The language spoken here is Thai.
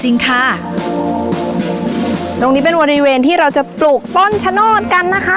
จริงจริงค่ะตรงนี้เป็นวันอีเวณที่เราจะปลูกต้นชะนวดกันนะคะ